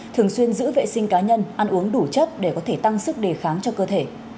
thường xuyên giữ vệ sinh cá nhân ăn uống đủ chất để có thể tăng sức đề kháng cho cơ thể